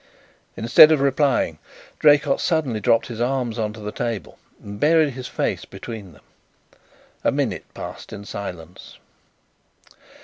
Instead of replying Draycott suddenly dropped his arms on to the table and buried his face between them. A minute passed in silence.